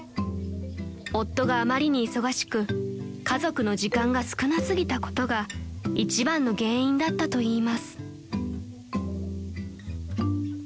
［夫があまりに忙しく家族の時間が少なすぎたことが一番の原因だったといいます］